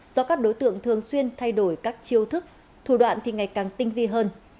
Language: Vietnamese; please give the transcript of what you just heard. do các đối tượng thường xuyên thay đổi các chiêu thức thủ đoạn thì ngày càng tinh vi hơn